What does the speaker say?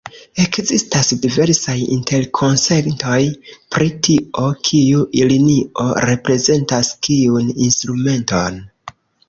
Ekzistas diversaj interkonsentoj pri tio, kiu linio reprezentas kiun instrumenton.